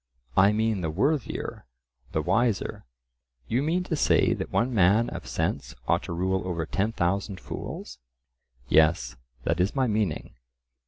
"I mean the worthier, the wiser." You mean to say that one man of sense ought to rule over ten thousand fools? "Yes, that is my meaning."